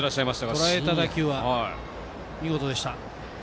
とらえた打球は見事でした。